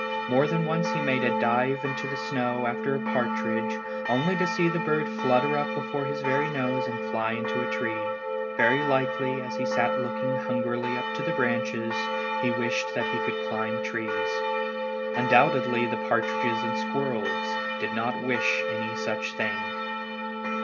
More than once he made a dive into the snow after a partridge, only to see the bird flutter up before his very nose and fly into a tree. Very likely, as he sat looking hungrily up to the branches, he wished that he could climb trees. Undoubtedly the partridges and the squirrels did not wish any such thing.